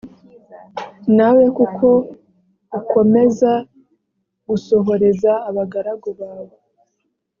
nawe kuko ukomeza gusohoreza abagaragu bawe